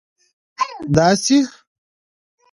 داسي